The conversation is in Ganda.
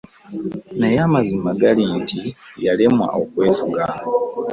Naye amazima gali nti yalemwa okwefuga .